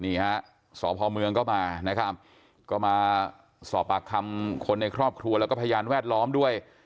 นี่ฮะสพเมืองก็มานะครับก็มาสอบปากคำคนในครอบครัวแล้วก็พยานแวดล้อมด้วย